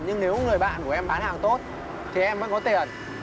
nhưng nếu người bạn của em bán hàng tốt thì em vẫn có tiền